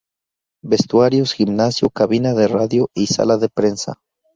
Vestuarios, gimnasio, cabina de radio y sala de prensa.